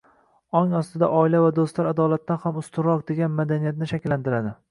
ong ostida oila va do‘stlar adolatdan ham ustunroq degan madaniyatni shakllantiradi.